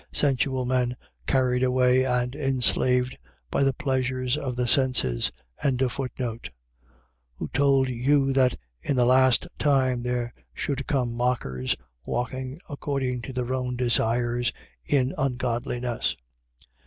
Sensual men. . .carried away and enslaved by the pleasures of the senses. 1:18. Who told you that in the last time there should come mockers, walking according to their own desires in ungodlinesses.